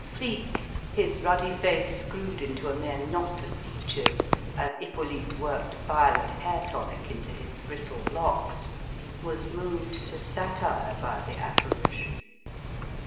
Flique, his ruddy face screwed into a mere knot of features, as Hippolyte worked violet hair tonic into his brittle locks, was moved to satire by the apparition.